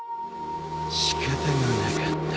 しかたがなかった。